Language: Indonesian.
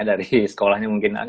dari sekolahnya mungkin